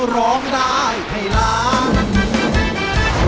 ร้องได้ให้ล้าน